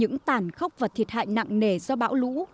những tàn khốc và thiệt hại nặng nề do bão lũ